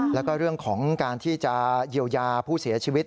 แล้วก็เรื่องของการที่จะเยียวยาผู้เสียชีวิต